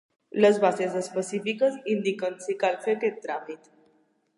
Les bases específiques indiquen si cal fer aquest tràmit.